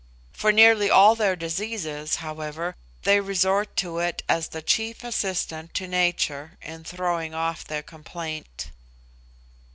For nearly all their diseases, however, they resort to it as the chief assistant to nature in throwing off their complaint.